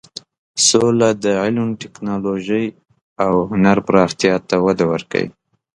سوله د علم، ټکنالوژۍ او هنر پراختیا ته وده ورکوي.